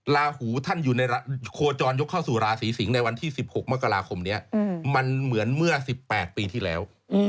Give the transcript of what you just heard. ลาหูท่านอยู่ในโคจรยกเข้าสู่ราศีสิงศ์ในวันที่๑๖มกราคมนี้มันเหมือนเมื่อ๑๘ปีที่แล้ว